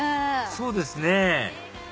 そうですね！